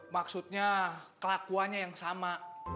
maksudnya kelakuannya yang sama